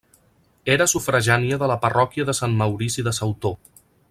Era sufragània de la parròquia de Sant Maurici de Sautó.